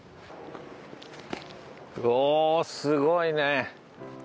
おすごいね！